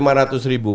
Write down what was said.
di mana dia berkata